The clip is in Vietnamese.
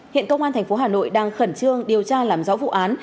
hiện công an tp hà nội đang khẩn trương điều tra làm rõ vụ án